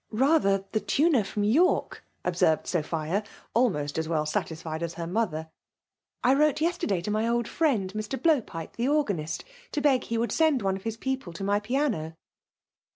'' Rather, the tuner from York," observed Sophia, almost as well satisfied as her mother ;*' I wrote yesterday to my old friend, Mr. Blow pipe, the organist, to beg he would send one of his people to my piano."